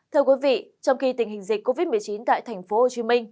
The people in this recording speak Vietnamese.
thưa quý vị trong khi tình hình dịch covid một mươi chín tại tp hcm